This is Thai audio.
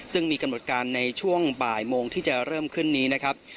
ซึ่งมีกำหนดการในช่วงบ่ายโมงที่จะเริ่มขึ้นนี้นะครับ